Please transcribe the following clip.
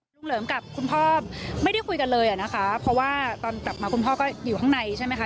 เหลิมกับคุณพ่อไม่ได้คุยกันเลยอะนะคะเพราะว่าตอนกลับมาคุณพ่อก็อยู่ข้างในใช่ไหมคะ